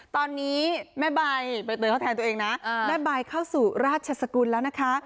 ตอนนี้แม่ใบใบเตยเขาแทนตัวเองนะแม่ใบเข้าสู่ราชสกุลแล้วนะคะ